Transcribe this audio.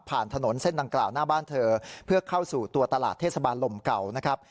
ถนนเส้นดังกล่าวหน้าบ้านเธอเพื่อเข้าสู่ตัวตลาดเทศบาลลมเก่านะครับ